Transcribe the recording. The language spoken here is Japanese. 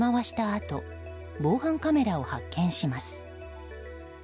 あと防犯カメラを発見します。